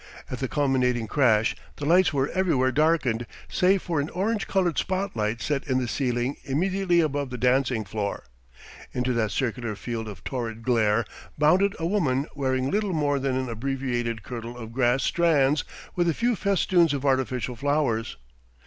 At the culminating crash the lights were everywhere darkened save for an orange coloured spot light set in the ceiling immediately above the dancing floor. Into that circular field of torrid glare bounded a woman wearing little more than an abbreviated kirtle of grass strands with a few festoons of artificial flowers.